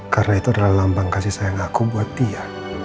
karena itu adalah lambang kasih sayang aku buat dia